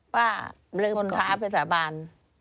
ว่าคนขาไปสาบาน